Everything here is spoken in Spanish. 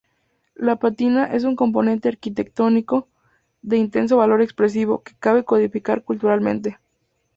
La pátina es un componente arquitectónico de intenso valor expresivo, que cabe codificar culturalmente.